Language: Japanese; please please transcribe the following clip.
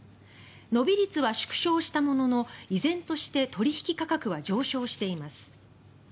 伸び率は縮小したものの依然として取引価格は上昇しています。